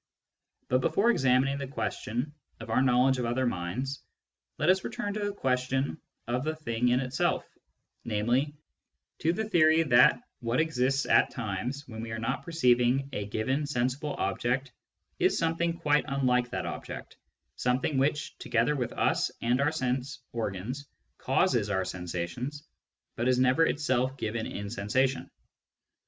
But before examining the question of our knowledge of other minds, let us return to the question of the thing in itself, namely, to the theory that what exists at times when we are not perceiving a given sensible object is something quite unlike that object, something which, together with us and our sense organs, causes our sensations, but is never itself given in sensation.